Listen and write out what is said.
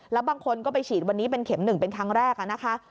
แล้วบางคนก็ไปฉีดวันนี้เป็นเข็ม๑เป็นครั้งแรกนะคะ